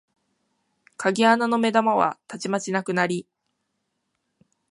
鍵穴の眼玉はたちまちなくなり、